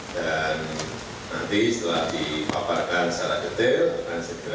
dan nanti setelah dipaparkan secara detail akan segera